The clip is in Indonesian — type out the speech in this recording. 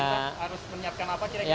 kita harus menyiapkan apa kira kira